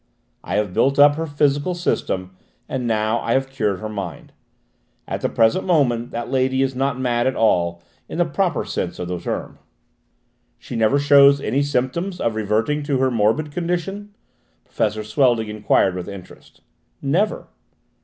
I have built up her physical system, and now I have cured her mind. At the present moment that lady is not mad at all, in the proper sense of the term." "She never shows any symptoms of reverting to her morbid condition?" Professor Swelding enquired with interest. "Never."